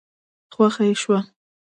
خوښه يې شوه.